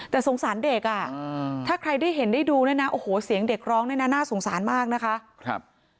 แต่สงสารเด็กอ่ะถ้าใครได้เห็นได้ดูเนี่ยนะโอ้โหเสียงเด็กร้องเนี่ยนะน่าสงสารมากนะคะ